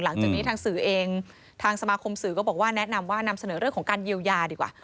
หลังจากนี้ทางสื่อเองทางสมาคมสื่อก็บอกว่าแนะนำว่านำเสนอเรื่องของการเยียวยาดีกว่า